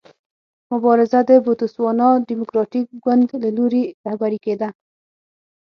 مبارزه د بوتسوانا ډیموکراټیک ګوند له لوري رهبري کېده.